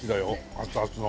熱々の。